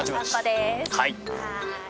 はい。